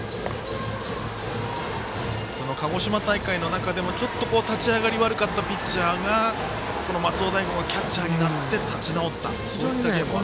鹿児島大会の中でも立ち上がり悪かったピッチャーが松尾大悟がキャッチャーになって立ち直ったということもありました。